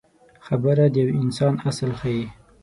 خبره د یو انسان اصل ښيي.